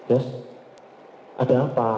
yos ada apa